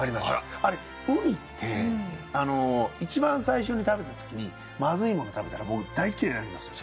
あれウニっていちばん最初に食べたときにまずいものを食べたらもう大嫌いになりますよね。